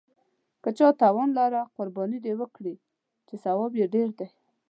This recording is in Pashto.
که چا توان لاره نو قرباني دې وکړي، چې ثواب یې ډېر دی.